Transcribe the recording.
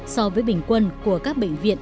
so với bình quân của các bệnh viện